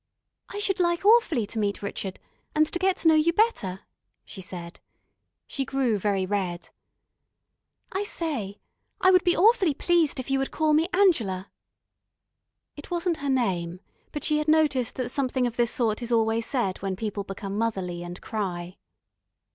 "I should like awfully to meet Rrchud, and to get to know you better," she said. She grew very red. "I say, I should be awfully pleased if you would call me Angela." It wasn't her name, but she had noticed that something of this sort is always said when people become motherly and cry.